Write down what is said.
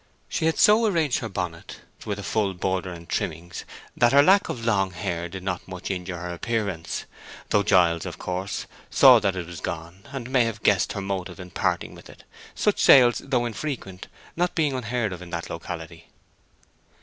She had so arranged her bonnet with a full border and trimmings that her lack of long hair did not much injure her appearance; though Giles, of course, saw that it was gone, and may have guessed her motive in parting with it, such sales, though infrequent, being not unheard of in that locality.